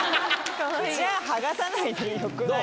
じゃ剥がさないでよくない？